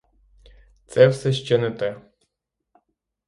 Це все ще не те.